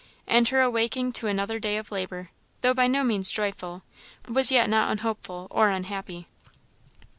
And her awaking to another day of labour, though by no means joyful, was yet not unhopeful or unhappy.